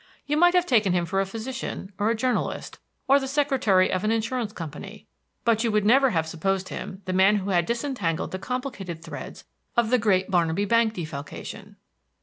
You might have taken him for a physician, or a journalist, or the secretary of an insurance company; but you would never have supposed him the man who had disentangled the complicated threads of the great Barnabee Bank defalcation.